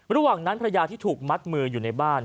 ระหว่างนั้นภรรยาที่ถูกมัดมืออยู่ในบ้าน